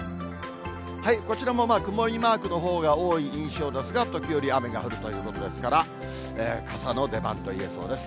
こちらも曇りマークのほうが多い印象ですが、時折雨が降るということですから、傘の出番といえそうです。